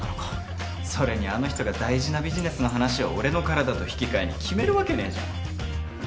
それにあの人が大事なビジネスの話を俺の体と引き換えに決めるわけねえじゃん。